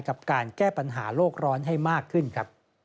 กับการแก้ปัญหาโลกร้อนให้มากขึ้นครับ